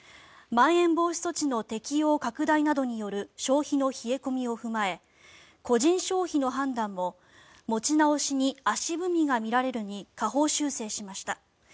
まん延防止措置の適用拡大などによる消費の冷え込みを踏まえ個人消費の判断も持ち直しに足踏みが見られるに下方修正しました。